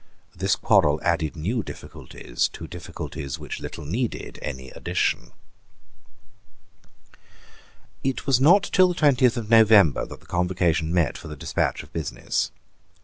This quarrel added new difficulties to difficulties which little needed any addition, It was not till the twentieth of November that the Convocation met for the despatch of business.